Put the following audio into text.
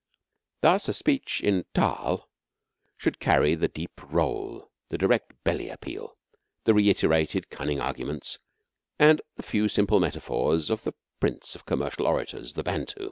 Thus, a speech in the taal should carry the deep roll, the direct belly appeal, the reiterated, cunning arguments, and the few simple metaphors of the prince of commercial orators, the Bantu.